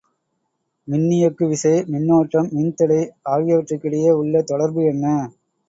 மின்னியக்குவிசை, மின்னோட்டம், மின்தடை ஆகியவற்றிற்கிடையே உள்ள தொடர்பு என்ன?